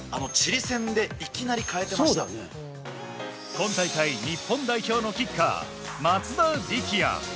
今大会、日本代表のキッカー松田力也。